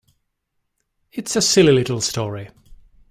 It's a silly little story.